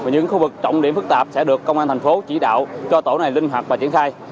những khu vực trọng điểm phức tạp sẽ được công an thành phố chỉ đạo cho tổ này linh hoạt và triển khai